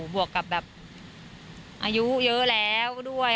บวกกับแบบอายุเยอะแล้วด้วย